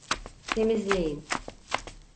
Temizleyin.